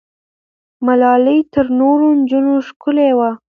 ملالۍ تر نورو نجونو ښکلې وه.